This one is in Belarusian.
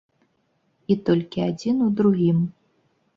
І толькі адзін у другім.